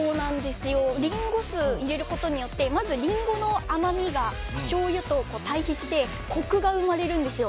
リンゴ酢、入れることによってまずリンゴの甘みがしょうゆと対比してコクが生まれるんですよ。